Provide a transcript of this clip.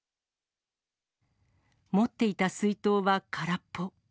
持っていた水筒は空っぽ。